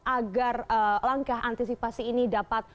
agar langkah antisipasi ini dapat